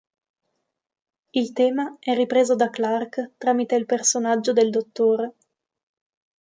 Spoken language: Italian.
Il tema è ripreso da Clarke tramite il personaggio del dott.